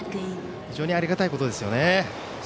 非常にありがたいことですよね。